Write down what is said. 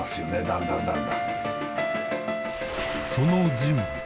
だんだんだんだん。